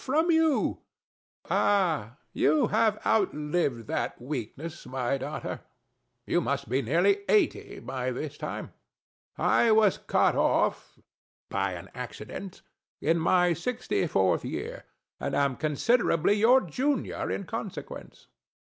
from you! THE STATUE. Ah, you outlived that weakness, my daughter: you must be nearly 80 by this time. I was cut off (by an accident) in my 64th year, and am considerably your junior in consequence.